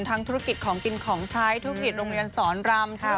ทั้งธุรกิจของกินของใช้ธุรกิจโรงเรียนศรรรมค่ะคุณ